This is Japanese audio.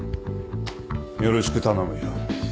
よろしく頼むよ。